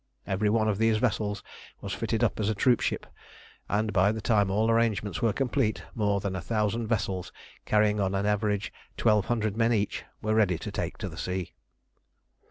Every one of these vessels was fitted up as a troopship, and by the time all arrangements were complete, more than a thousand vessels, carrying on an average twelve hundred men each, were ready to take the sea.